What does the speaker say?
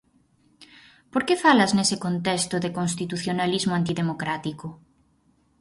Por que falas, nese contexto, de constitucionalismo antidemocrático?